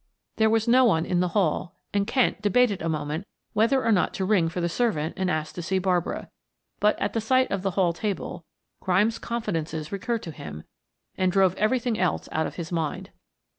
There was no one in the hall and Kent debated a moment whether or not to ring for the servant and ask to see Barbara, but, at sight of the hall table, Grimes' confidences recurred to him and drove everything else out of his mind.